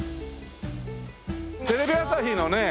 テレビ朝日のね